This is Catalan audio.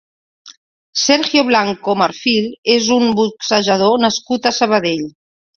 Sergio Blanco Marfil és un boxejador nascut a Sabadell.